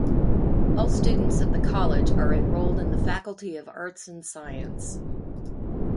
All students of the College are enrolled in the Faculty of Arts and Science.